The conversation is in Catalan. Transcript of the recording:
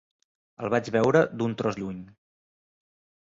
El vaig veure d'un tros lluny.